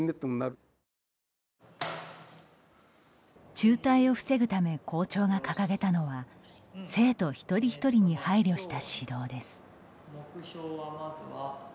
中退を防ぐため校長が掲げたのは生徒一人ひとりに配慮した指導です。